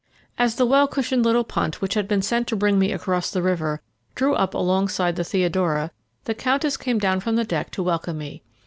As the well cushioned little punt, which had been sent to bring me across the river, drew up alongside the Theodora, the Countess came down from the deck to welcome me.